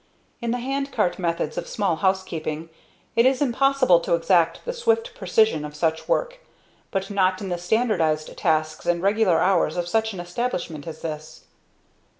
In the hand cart methods of small housekeeping it is impossible to exact the swift precision of such work, but not in the standardized tasks and regular hours of such an establishment as this.